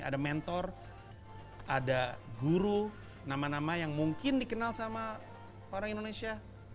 ada mentor ada guru nama nama yang mungkin dikenal sama orang indonesia